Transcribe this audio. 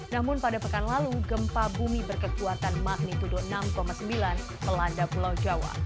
namun pada pekan lalu gempa bumi berkekuatan magnitudo enam sembilan melanda pulau jawa